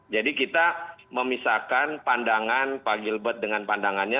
jadi kita memisahkan pandangan pak gilbert dengan pandangannya